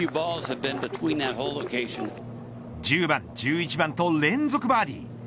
１０番１１番と連続バーディー。